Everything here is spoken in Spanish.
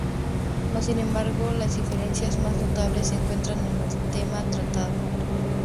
Más sin embargo las diferencias más notables se encuentran en el tema tratado.